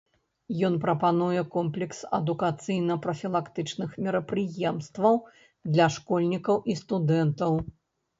Ён прапануе комплекс адукацыйна-прафілактычных мерапрыемстваў для школьнікаў і студэнтаў.